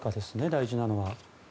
大事なのは。